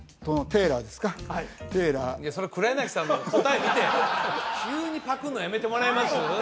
テーラーいやそれ黒柳さんの答え見て急にパクんのやめてもらえます？